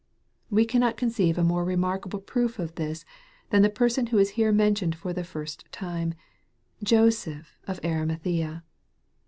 We cannot conceive a more remarkable proof of this than the per son who is here mentioned for the first time, Joseph of Arimathaea.